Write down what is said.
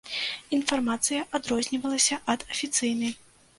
Інфармацыя адрознівалася ад афіцыйнай.